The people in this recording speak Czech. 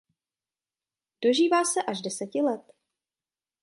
Dožívá se až deseti let.